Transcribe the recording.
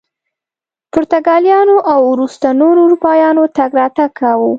پرتګالیانو او وروسته نورو اروپایانو تګ راتګ کاوه.